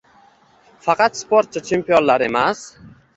Faqat sportchi chempionlar emas